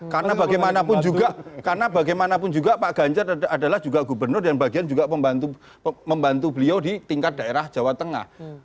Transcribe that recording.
karena bagaimanapun juga pak ganjar adalah juga gubernur dan bagian juga membantu beliau di tingkat daerah jawa tengah